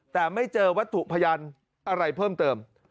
แต่ไม่เจอวัตถุพยานอะไรเพิ่มเติม